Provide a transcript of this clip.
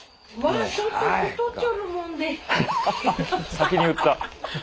先に言った。